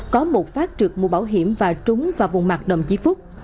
có một phát trực mũ bảo hiểm và trúng vào vùng mặt đồng chí phúc